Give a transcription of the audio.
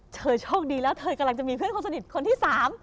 เธอโชคดีแล้วเธอกำลังจะมีเพื่อนคนสนิทคนที่สาม